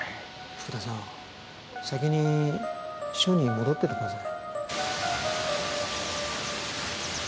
福田さん先に署に戻っててください。